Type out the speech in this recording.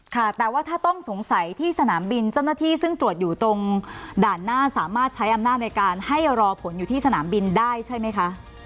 ค่ะแต่ว่าถ้าต้องสงสัยที่สนามบินเจ้าหน้าที่ซึ่งตรวจอยู่ตรงด่านหน้าสามารถใช้อำนาจในการให้รอผลอยู่ที่สนามบินได้ใช่ไหมคะ